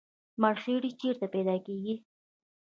مرخیړي چیرته پیدا کیږي؟